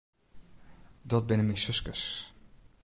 Dat binne myn suskes.